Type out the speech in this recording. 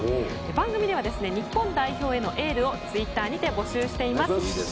番組では日本代表へのエールをツイッターにて募集しています。